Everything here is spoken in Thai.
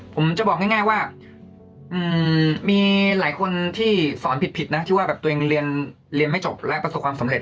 ผมจะบอกง่ายว่ามีหลายคนที่สอนผิดนะที่ว่าแบบตัวเองเรียนไม่จบและประสบความสำเร็